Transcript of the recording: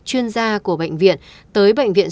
chuyên gia của bệnh viện tới bệnh viện